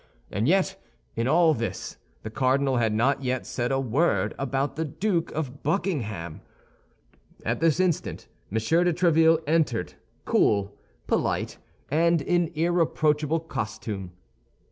And yet, in all this, the cardinal had not yet said a word about the Duke of Buckingham. At this instant M. de Tréville entered, cool, polite, and in irreproachable costume.